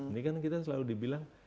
ini kan kita selalu dibilang